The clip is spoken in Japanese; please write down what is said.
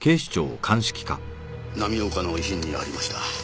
浪岡の遺品にありました。